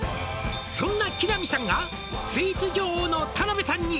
「そんな木南さんがスイーツ女王の田辺さんに」